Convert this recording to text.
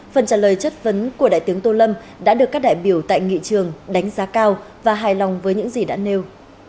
phần trả lời chất vấn của đại tướng tô lâm đã được các đại biểu tại nghị trường đánh giá cao và hài lòng với những gì đã nêu